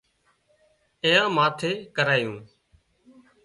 اين ماٿي لکرايون